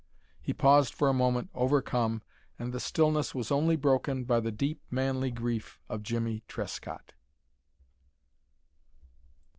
He paused for a moment, overcome, and the stillness was only broken by the deep manly grief of Jimmie Trescott.